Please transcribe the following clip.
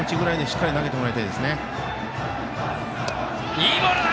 いいボールだ！